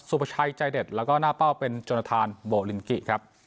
ประชัยใจเด็ดแล้วก็หน้าเป้าเป็นจนทานโบลินกิครับ